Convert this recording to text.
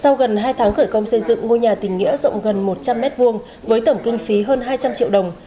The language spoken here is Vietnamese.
sau gần hai tháng khởi công xây dựng ngôi nhà tình nghĩa rộng gần một trăm linh m hai với tổng kinh phí hơn hai trăm linh triệu đồng